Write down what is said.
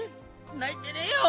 ないてねえよ！